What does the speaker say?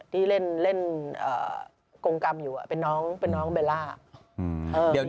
ที่เล่นกรงกรรมอยู่เป็นน้องเป็นน้องเบลล่า